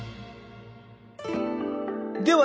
では